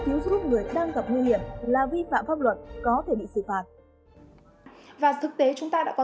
cứu giúp người đang gặp nguy hiểm là vi phạm pháp luật có thể bị xử phạt và thực tế chúng ta đã có